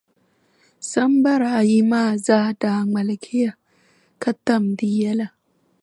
Sambara ayi maa zaa daa ŋmaligiya, ka tam di yɛla.